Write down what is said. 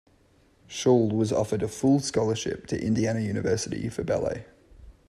Schull was offered a full scholarship to Indiana University for ballet.